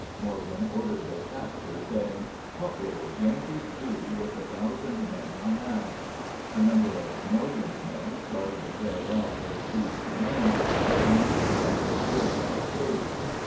Morgan ordered their capture, saying, "What will those Yankees do with the thousand men I have?" A number of Morgan's men started to carry out their chief's command, but the militia made good their escape.